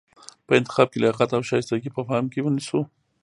په انتخاب کې لیاقت او شایستګي په پام کې ونیسو.